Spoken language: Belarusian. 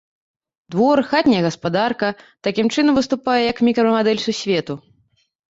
Двор, хатняя гаспадарка, такім чынам, выступае як мікрамадэль сусвету.